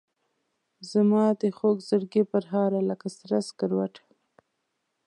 زمادخوږزړګي پرهاره لکه سره سکروټه